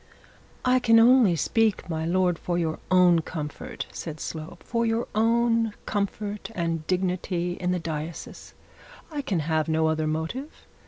'I only speak, my lord, for your own comfort,' said Slope; 'for your own comfort and dignity in the diocese. I can have no other motive.